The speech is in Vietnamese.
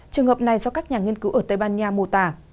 trường hợp này do các nhà nghiên cứu ở tây ban nha mô tả